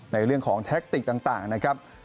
ในเรื่องของแท็กติกต่างนะครับ